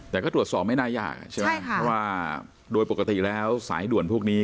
แต่ก็ตรวจสอบไม่น่ายากใช่ไหมเพราะว่าโดยปกติแล้วสายด่วนพวกนี้